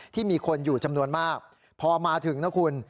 ที่มีคนอยู่จำนวนมากพอมาถึงนะคุณ